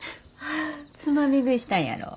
つまみ食いしたんやろ？